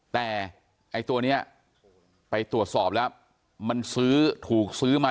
แต่ไอ้ตัวนี้ไปตรวจสอบแล้วมันซื้อถูกซื้อมา